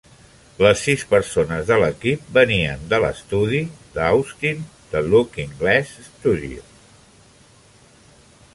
Les sis persones de l'equip venien de l'estudi d'Austin de Looking Glass Studios.